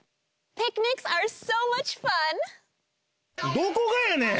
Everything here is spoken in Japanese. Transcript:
どこがやねん！